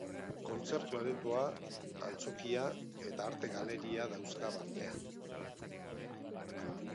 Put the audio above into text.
Kontzertu aretoa, antzokia eta arte galeria dauzka barnean.